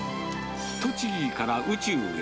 栃木から宇宙へ。